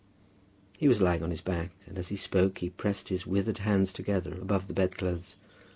He was lying on his back, and as he spoke he pressed his withered hands together above the bedclothes.